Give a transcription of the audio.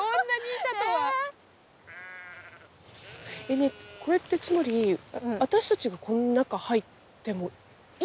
ねねっこれってつまり私たちがこの中入ってもいいの？